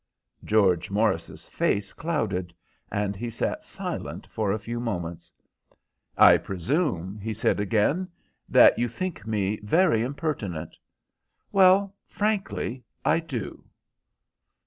George Morris's face clouded, and he sat silent for a few moments. "I presume," he said again, "that you think me very impertinent?" "Well, frankly, I do."